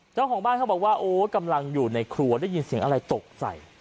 เจ้าของบ้านเขาบอกว่าโอ้กำลังอยู่ในครัวได้ยินเสียงอะไรตกใจ